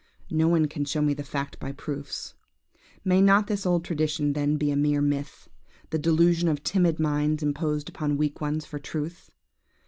No one can show me the fact by proofs. May not this old tradition then be a mere myth? the delusion of timid minds imposed upon weak ones for truth?